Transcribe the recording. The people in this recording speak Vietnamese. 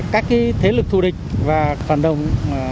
các cái thế lực thù địch và phản động